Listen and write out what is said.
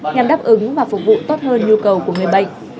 nhằm đáp ứng và phục vụ tốt hơn nhu cầu của người bệnh